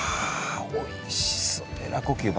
おいしそう。